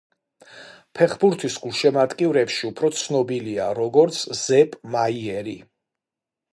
ფეხბურთის გულშემატკივრებში უფრო ცნობილია როგორც ზეპ მაიერი.